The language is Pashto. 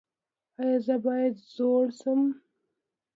ایا زه باید زوړ شم؟